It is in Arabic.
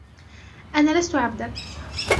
أنا لست عبدك.